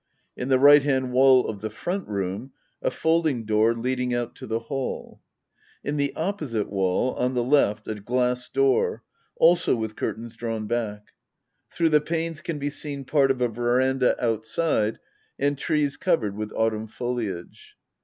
In the right hand wall of the front room, a folding door leading out to the hall. In the opposite wall, on the left, a glass door, also with curtains drawn back. Through the panes can be seen part of a veranda outside, and trees covered with autumn foliage.